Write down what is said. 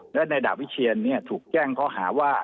แล้วในดับวิเชียนเนี่ยถูกแจ้งข้อหาว่า